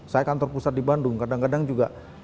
saya kantor pusat di bandung kadang kadang juga